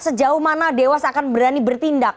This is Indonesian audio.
sejauh mana dewas akan berani bertindak